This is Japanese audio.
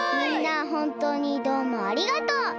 みんなほんとうにどうもありがとう！